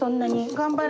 頑張れ！